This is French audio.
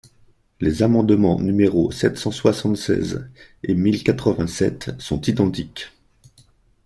Les amendements numéros sept cent soixante-seize et mille quatre-vingt-sept sont identiques.